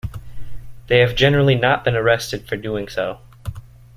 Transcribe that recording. They have generally not been arrested for doing so.